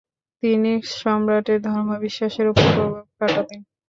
তিনি সম্রাটের ধর্মবিশ্বাসের উপর প্রভাব খাটাতেন।